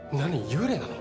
幽霊なの？